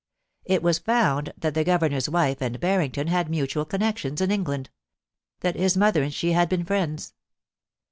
It was found that the Governor's wife and Barrington had mutual connections in England — that his mother and she had been friends.